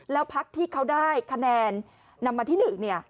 แล้วพลักษณ์ที่เค้าได้คะแนนนำมาที่หนึ่งเนี่ย